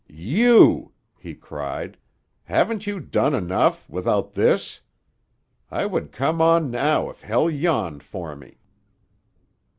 "You!" he cried. "Haven't you done enough—without this! I would come on now if hell yawned for me."